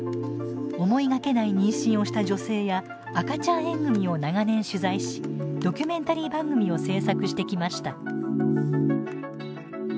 思いがけない妊娠をした女性や赤ちゃん縁組を長年取材しドキュメンタリー番組を制作してきました。